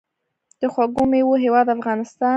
د خوږو میوو هیواد افغانستان.